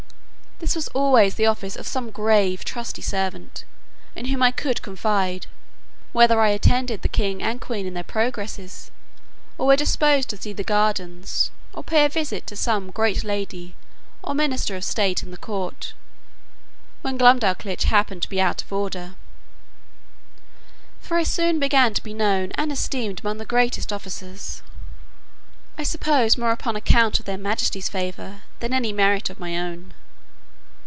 This was always the office of some grave trusty servant, in whom I could confide, whether I attended the king and queen in their progresses, or were disposed to see the gardens, or pay a visit to some great lady or minister of state in the court, when Glumdalclitch happened to be out of order; for I soon began to be known and esteemed among the greatest officers, I suppose more upon account of their majesties' favour, than any merit of my own.